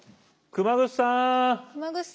熊楠さん。